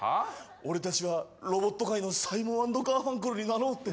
俺たちはロボット界のサイモン＆ガーファンクルになろうって。